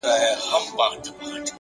هره پوښتنه د نوې پوهې تخم دی!